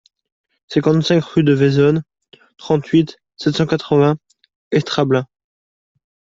cinquante-cinq rue de Vezonne, trente-huit, sept cent quatre-vingts, Estrablin